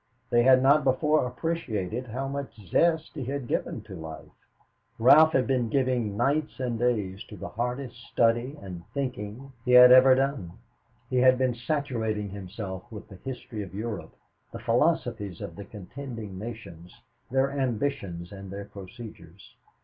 They had not before appreciated how much zest he had given to life. Ralph had been giving nights and days to the hardest studying and thinking he had ever done. He had been saturating himself with the history of Europe, the philosophies of the contending nations, their ambitions and their procedures.